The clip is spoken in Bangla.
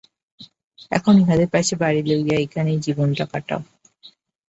এখন ইহাদেরই পাশে বাড়ি লইয়া এইখানেই জীবনটা কাটাও।